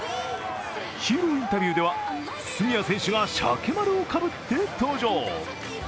ヒーローインタビューでは杉谷選手がしゃけまるをかぶって登場。